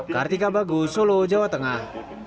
kartika bagus solo jawa tengah